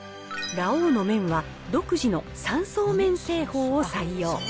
ラ王の麺は独自の三層麺製法を採用。